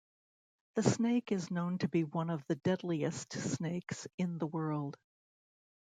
The snake is known to be one of the deadliest snakes in the world.